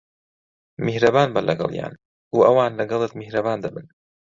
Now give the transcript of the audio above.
میھرەبان بە لەگەڵیان، و ئەوان لەگەڵت میھرەبان دەبن.